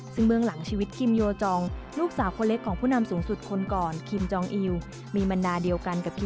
ซึ่งเบื้องหลังชีวิตคิมโยจองลูกสาวคนเล็กของผู้นำสูงสุดคนก่อนคิมจองอิว